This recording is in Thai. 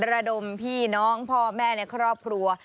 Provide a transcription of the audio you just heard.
ระดมพี่น้องพ่อแม่ในครอบครัว